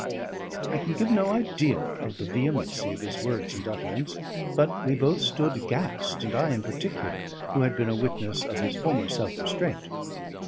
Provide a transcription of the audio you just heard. I can give no idea of the vehemency of his words and utterance; but we both stood aghast, and I in particular, who had been a witness of his former self restraint.